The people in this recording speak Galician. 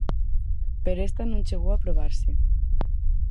Pero esta non chegou a aprobarse.